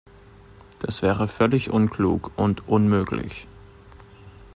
Das wäre völlig unklug und unmöglich.